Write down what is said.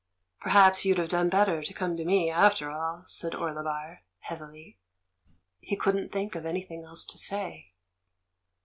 "Perhaps you'd have done better to come to me, after all," said Orlebar, heavily; he couldn't think of anything else to say.